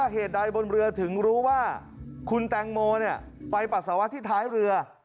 เหตุใดบนเรือถึงรู้ว่าคุณแตงโมไปปัสสาวะที่ท้ายเรือ